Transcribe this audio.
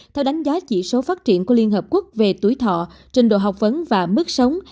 theo đánh giá chỉ số phát triển của liên hợp quốc về tuổi thọ trình độ học vấn và mức sống